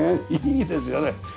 いいですよね。